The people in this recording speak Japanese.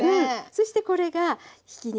そしてこれがひき肉ね。